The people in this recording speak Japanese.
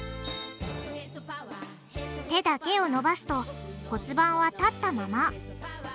手だけを伸ばすと骨盤は立ったまま。